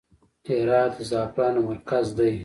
هرات د زعفرانو مرکز دی